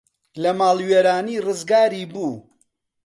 لە ماڵوێرانی ڕزگاری بوو